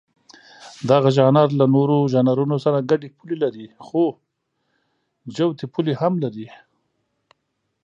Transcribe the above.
دغه ژانر له نورو ژانرونو سره ګډې پولې لري، خو جوتې پولې هم لري.